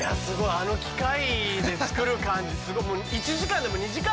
あの機械で作る感じすごい。